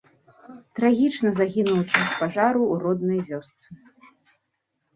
Трагічна загінуў у час пажару ў роднай вёсцы.